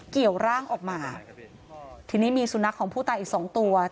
เกี่ยวร่างออกมาทีนี้มีสุนัขของผู้ตายอีกสองตัว